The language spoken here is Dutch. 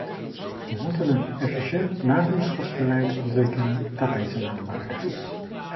We moeten een efficiënt nabuurschapsbeleid ontwikkelen, dat deze naam waardig is.